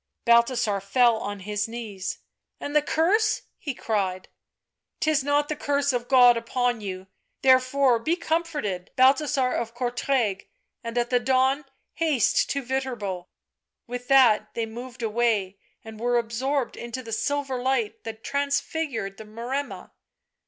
Balthasar fell on his knees. " And the curse I" he cried. " 'Tis not the curse of God upon you, therefore be comforted, Balthasar of Courtrai, and at the dawn haste to Viterbo." With that they moved away, and were absorbed into the silver light that transfigured the Maremma.